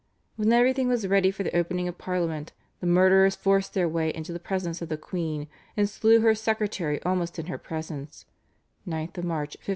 When everything was ready for the opening of Parliament the murderers forced their way into the presence of the queen, and slew her secretary almost in her presence (9 March 1566).